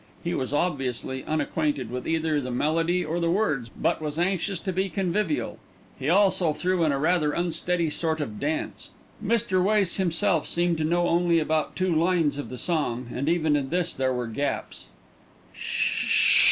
He was obviously unacquainted with either the melody or the words, but was anxious to be convivial. He also threw in a rather unsteady sort of dance. Mr. Wace himself seemed to know only about two lines of the song, and even in this there were gaps.